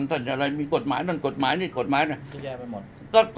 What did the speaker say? ท่านจะอะไรมีกฎหมายนั่นกฎหมายนี่กฎหมายนั่น